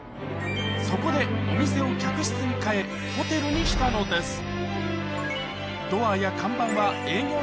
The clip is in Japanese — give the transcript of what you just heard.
そこでお店を客室に変えホテルにしたのです